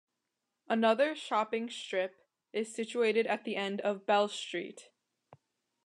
Another shopping strip is situated at the end of Bell Street.